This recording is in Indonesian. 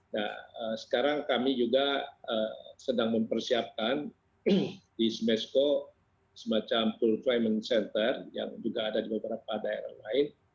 nah sekarang kami juga sedang mempersiapkan di semesco semacam pull climate center yang juga ada di beberapa daerah lain